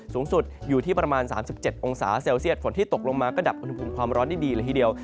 สูงสุดอยู่ที่ประมาณ๓๗องศาเซลเซียตฝนที่ตกลงมาก็ดับอุณหภูมิความร้อนได้ดีเลยทีเดียว